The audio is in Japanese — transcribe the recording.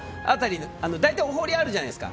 大体お堀があるじゃないですか。